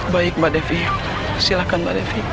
baik mbak nevi silahkan mbak nevi